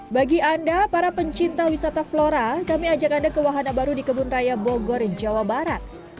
bagi anda para pencinta wisata flora kami ajak anda ke wahana baru di kebun raya bogor jawa barat